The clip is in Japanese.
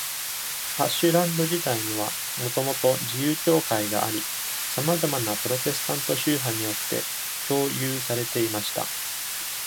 アッシュランド自体にはもともと自由教会があり、さまざまなプロテスタント宗派によって共有されていました。